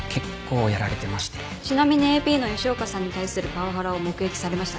ちなみにＡＰの吉岡さんに対するパワハラを目撃されましたか？